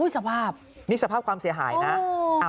สภาพนี่สภาพความเสียหายนะ